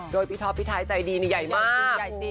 โดยพี่ท็อปพี่ไทยใจดีใหญ่มาก